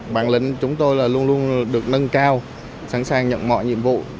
bản lĩnh chúng tôi là luôn luôn được nâng cao sẵn sàng nhận mọi nhiệm vụ